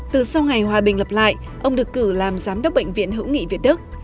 từ sau ngày hòa bình lập lại ông được cử làm giám đốc bệnh viện hữu nghị việt đức